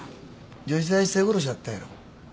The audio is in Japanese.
女子大生殺しあったやろ。